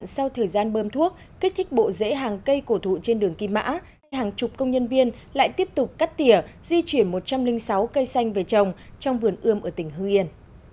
sau thời gian bơm thuốc kích thích bộ rễ hàng cây cổ thụ trên đường kim mã hàng chục công nhân viên lại tiếp tục cắt tỉa di chuyển một trăm linh sáu cây xanh về trồng trong vườn ươm ở tỉnh hưng yên